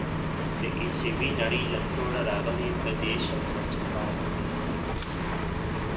د عيسوي نړۍ له توړه راغلی بدېشم لا چهارمېخ دی.